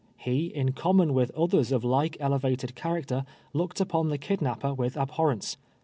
He, in common with others of like elevated character, looked upon the kidnapper with abhorrence.